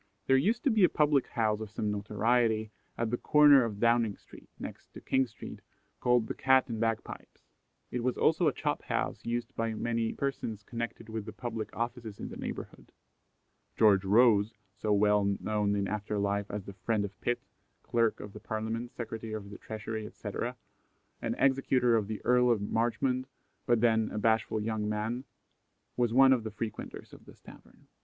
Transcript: There used to be a public house of some notoriety at the corner of Downing street, next to King street, called the "Cat and Bagpipes." It was also a chop house used by many persons connected with the public offices in the neighbourhood. George Rose, so well known in after life as the friend of Pitt, Clerk of the Parliament, Secretary of the Treasury, etc., and executor of the Earl of Marchmont, but then "a bashful young man," was one of the frequenters of this tavern.